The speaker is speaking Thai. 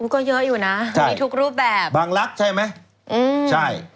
ก็เยอะอยู่นะมีทุกรูปแบบบางลักษณ์ใช่ไหมอืมใช่